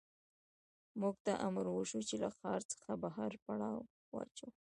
موږ ته امر وشو چې له ښار څخه بهر پړاو واچوو